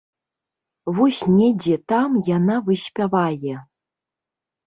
Вось недзе там яна выспявае.